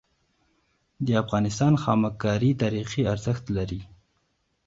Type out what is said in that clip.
د افغانستان خامک کاری تاریخي ارزښت لري.